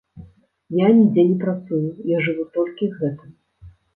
Я нідзе не працую, я жыву толькі гэтым.